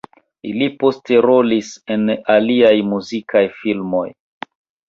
Ili poste rolis en aliaj muzikaj filmoj.